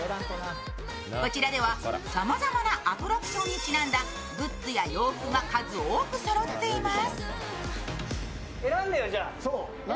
こちらでは、さまざまなアトラクションにちなんだグッズや洋服が数多くそろっています。